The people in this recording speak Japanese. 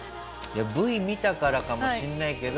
Ｖ見たからかもしれないけど。